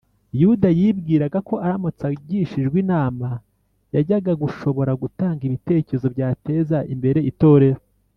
yuda yibwiraga ko aramutse agishijwe inama, yajyaga gushobora gutanga ibitekerezo byateza imbere itorero